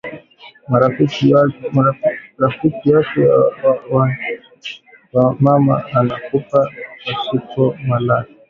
Rafiki yake ya mama ana kufa pashipo malari